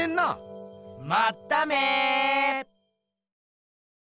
まっため！